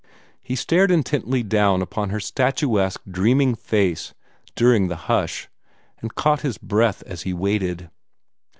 He stared intently down upon her statuesque, dreaming face during the hush, and caught his breath as he waited.